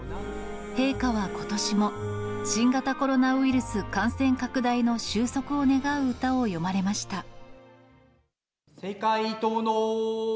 陛下はことしも、新型コロナウイルス感染拡大の収束を願う歌を詠まれました。